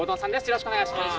よろしくお願いします。